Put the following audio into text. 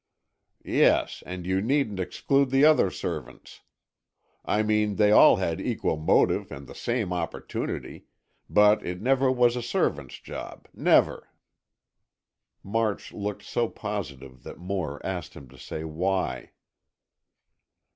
"Yes, and you needn't exclude the other servants. I mean they all had equal motive and the same opportunity. But it never was a servant's job. Never." March looked so positive that Moore asked him to say why.